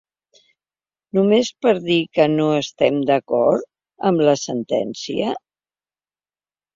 Només per dir que no estem d’acord amb la sentència?